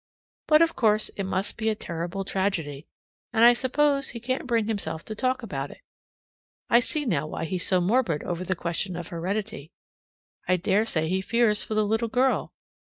But of course it must be a terrible tragedy and I suppose he can't bring himself to talk about it. I see now why he's so morbid over the question of heredity I dare say he fears for the little girl.